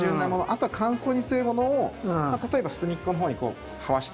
あとは乾燥に強いものを例えば隅っこのほうに這わしてあげたりだとか。